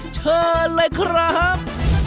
เชิญเลยครับ